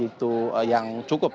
sehingga harganya cukup